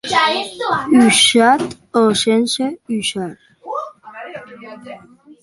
Usat o sense usar?